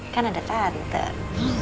kan ada tantan